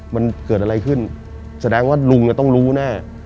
มันเกิดอะไรขึ้นแสดงว่าลุงต้องรู้แน่